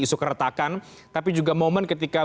isu keretakan tapi juga momen ketika